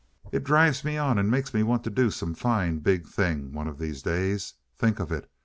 It drives me on and makes me want to do some fine big thing one of these days. Think of it!